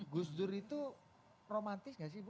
gus dur itu romantis gak sih bu